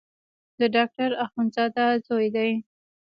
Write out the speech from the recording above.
د ډاکټر اخندزاده زوی دی.